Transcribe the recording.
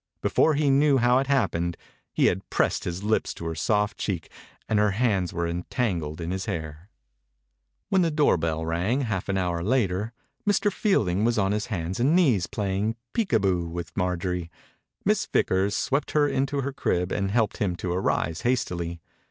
Before he knew how it happened, he had pressed his lips to her soft cheek and her hands were entangled in his hair. When the doorbell rang, half an hour later, Mr. Fielding was on his hands and knees play ing "peek boo!" with Marjorie. Miss Vickers swept her into her crib and helped him to arise hastily.